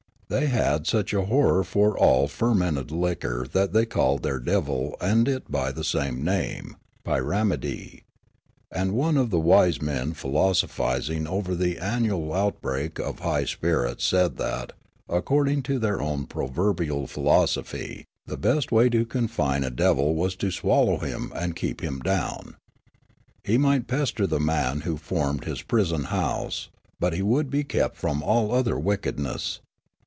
They had such a horror for all fermented liquor that they Abstinence 6i called their devil and it by the same name, pyrannidee. And one of the wise men philosophising over the an nual outbreak of high spirits said that, according to their own proverbial philosophy, the best way to con fine a devil was to swallow him and to keep him down ; he might pester the man who formed his prison house, but he would be kept from all other wickedness.